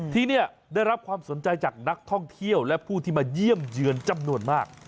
ที่นี่ได้รับความสนใจจากนักท่องเที่ยวและผู้ที่มาเยี่ยมเยือนจำนวนมาก